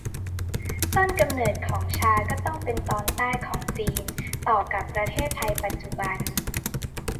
ต้นกำเนิดของชาก็ต้องเป็นตอนใต้ของจีน ต่อกับประเทศไทยปัจจุบัน